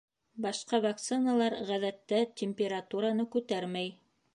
Башҡа вакциналар ғәҙәттә температураны күтәрмәй.